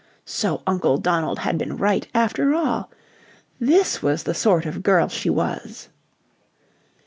So Uncle Donald had been right after all! This was the sort of girl she was!